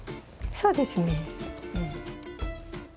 そうですね。